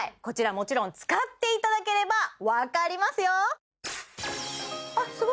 こちらもちろん使っていただければ分かりますよあっ